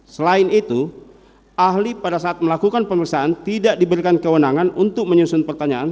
selain itu ahli pada saat melakukan pemeriksaan tidak diberikan kewenangan untuk menyusun pertanyaan